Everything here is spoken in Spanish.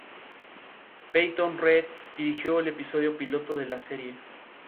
En este punto, sus registros, junto con los de otros clubes croatas, fueron destruidos.